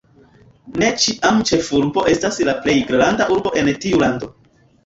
Ne ĉiam ĉefurbo estas la plej granda urbo en tiu lando.